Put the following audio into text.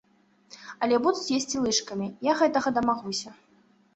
Але будуць есці лыжкамі, я гэтага дамагуся.